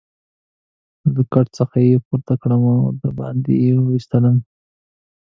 له کټ څخه يې پورته کړم او دباندې يې وایستلم.